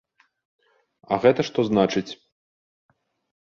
А гэта што значыць?